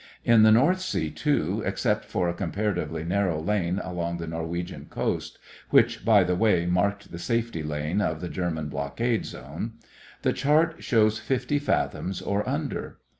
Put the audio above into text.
In the North Sea, too, except for a comparatively narrow lane along the Norwegian coast which, by the way, marked the safety lane of the German blockade zone the chart shows fifty fathoms or under.